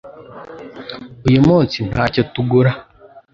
Uyu munsi ntacyo tugura